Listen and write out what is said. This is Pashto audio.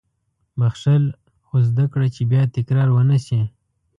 • بښل، خو زده کړه چې بیا تکرار ونه شي.